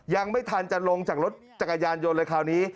ยังไม่ทันจะลงจากรถจักรยานยนต์เลยคราวนี้